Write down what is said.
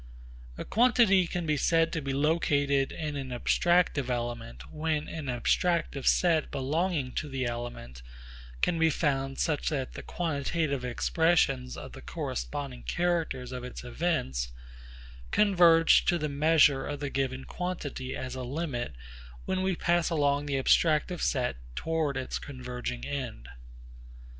A quantity can be said to be located in an abstractive element when an abstractive set belonging to the element can be found such that the quantitative expressions of the corresponding characters of its events converge to the measure of the given quantity as a limit when we pass along the abstractive set towards its converging end.